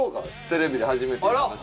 「テレビで初めていう話」。